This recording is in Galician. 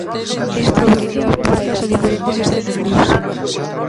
Isto abriría as portas a diferentes escenarios.